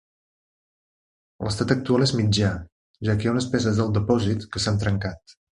L'estat actual és mitjà, ja que hi ha unes peces del depòsit que s'han trencat.